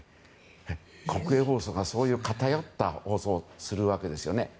国営放送がそういう偏った放送をするわけですね。